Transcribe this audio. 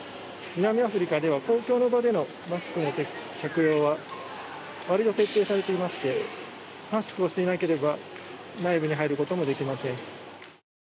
南アフリカでは公共の場でのマスクの着用は割と徹底されていまして、マスクをしていなければ内部に入ることもできません。